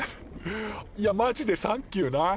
いやマジでサンキューな。